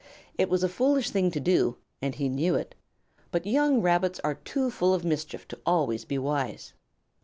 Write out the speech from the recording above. It was a foolish thing to do, and he knew it, but young Rabbits are too full of mischief to always be wise.